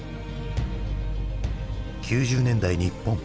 ９０年代日本。